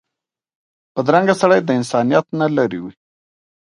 بدرنګه سړی د انسانیت نه لرې وي